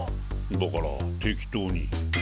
だから適当に。